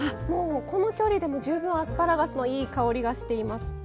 もうこの距離でも十分アスパラガスのいい香りがしています。